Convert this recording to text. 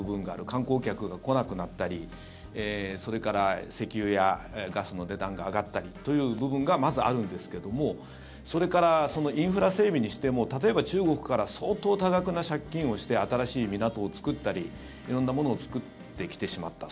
観光客が来なくなったりそれから石油やガスの値段が上がったりという部分がまずあるんですけどもそれからインフラ整備にしても例えば中国から相当多額な借金をして新しい港を作ったり色んなものを作ってきてしまった。